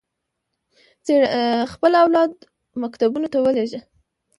خپل اولاد مکتبونو ته ولېږي.